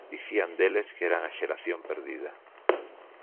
Dicían deles que eran a xeración perdida.